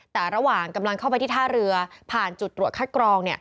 แต่ระหว่างกำลังเข้าไปที่ท่าเรือผ่านจุดตรวจคัดกรอง